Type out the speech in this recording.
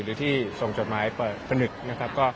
หรือที่ส่งจดหมายเปิดผนึกนะครับ